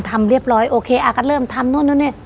ทำเรียบร้อยออกละเริ่มทำนู่นนี่